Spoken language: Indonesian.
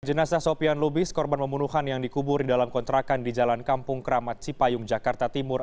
jenazah sopian lubis korban pembunuhan yang dikubur di dalam kontrakan di jalan kampung keramat cipayung jakarta timur